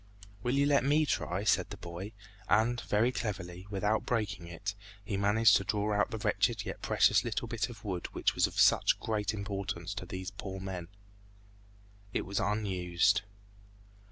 "Will you let me try?" said the boy, and very cleverly, without breaking it, he managed to draw out the wretched yet precious little bit of wood which was of such great importance to these poor men. It was unused.